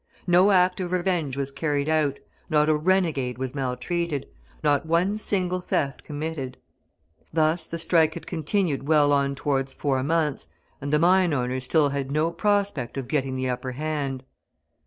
No act of revenge was carried out, not a renegade was maltreated, not one single theft committed. Thus the strike had continued well on towards four months, and the mine owners still had no prospect of getting the upper hand.